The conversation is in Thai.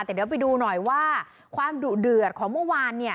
แต่เดี๋ยวไปดูหน่อยว่าความดุเดือดของเมื่อวานเนี่ย